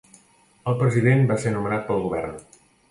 El president va ser nomenat pel govern.